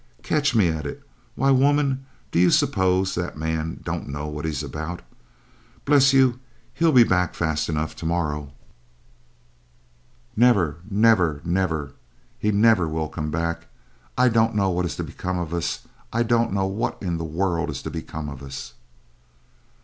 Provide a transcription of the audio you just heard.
Catch me at it! Why woman, do you suppose that man don't know what he is about? Bless you, he'll be back fast enough to morrow." "Never, never, never. He never will comeback. I don't know what is to become of us. I don't know what in the world is to become of us."